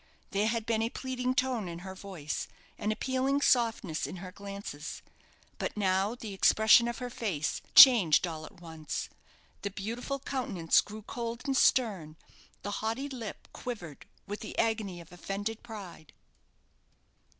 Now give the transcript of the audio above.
There had been a pleading tone in her voice, an appealing softness in her glances. But now the expression of her face changed all at once; the beautiful countenance grew cold and stern, the haughty lip quivered with the agony of offended pride.